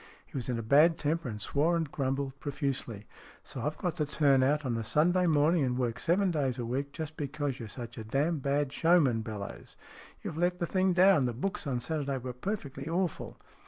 He was in a bad temper, and swore and grumbled profusely. "So I've got to turn out on Sunday morning and work seven days a week, just because you're such a damn bad showman, Bellowes ? You've let the thing down. The books on Saturday were perfectly awful."